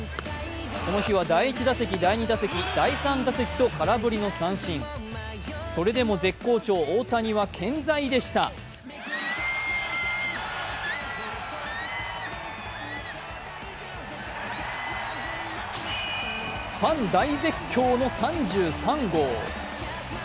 この日は第１打席、第２打席、第３打席と空振りそれでも絶好調、大谷は健在でしたファン大絶叫の３３号。